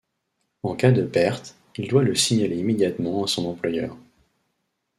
En cas de perte, il doit le signaler immédiatement à son employeur.